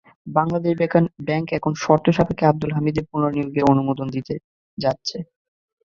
Bangladesh Bank এখন শর্ত সাপেক্ষে আবদুল হামিদের পুনর্নিয়োগে অনুমোদন দিতে যাচ্ছে।